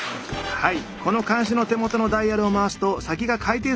はい。